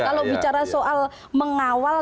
kalau bicara soal mengawal